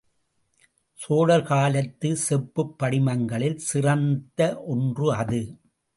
சோழர் காலத்துச் செப்புப் படிமங்களில் சிறந்த ஒன்று அது.